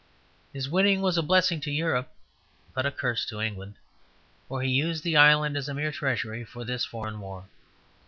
His winning was a blessing to Europe, but a curse to England, for he used the island as a mere treasury for this foreign war.